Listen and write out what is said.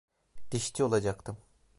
Dişçi olacaktım.